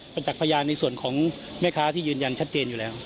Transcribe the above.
จักษ์พยานในส่วนของแม่ค้าที่ยืนยันชัดเจนอยู่แล้ว